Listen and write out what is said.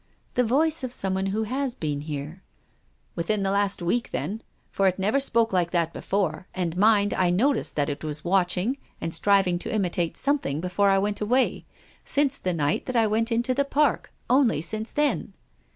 " The voice of someone who has been here." " Within the last week then. For it never spoke like that before, and mind, I noticed that it was watching and striving to imitate something before I went away, since the night that I went into the Park, only since then."